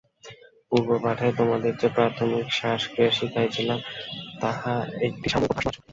পূর্বপাঠে তোমাদের যে প্রাথমিক শ্বাস-ক্রিয়া শিখাইয়াছিলাম, তাহা একটি সাময়িক অভ্যাস মাত্র।